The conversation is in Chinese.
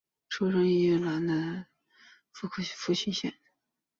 出生于伊利诺伊州杰佛逊县。